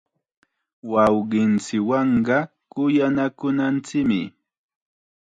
Wawqinchikwanqa kuyanakunanchikmi.